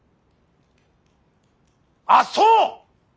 あっそう！